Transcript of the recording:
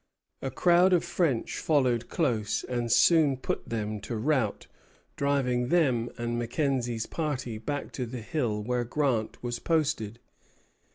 A crowd of French followed close, and soon put them to rout, driving them and Mackenzie's party back to the hill where Grant was posted.